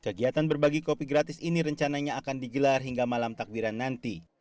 kegiatan berbagi kopi gratis ini rencananya akan digelar hingga malam takbiran nanti